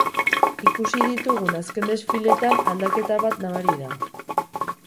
Ikusi ditugun azken desfiletan aldaketa bat nabari da.